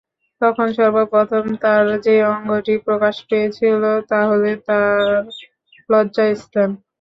তখন সর্বপ্রথম তার যে অঙ্গটি প্রকাশ পেয়েছিল তাহলে তাঁর লজ্জাস্থান।